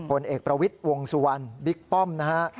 เอกประวิทย์วงสุวรรณบิ๊กป้อมนะฮะ